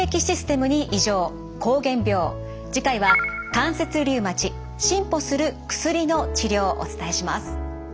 次回は関節リウマチ進歩する薬の治療をお伝えします。